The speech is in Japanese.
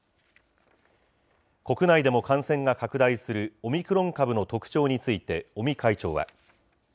国内でも感染が拡大するオミクロン株の特徴について、尾身会長は。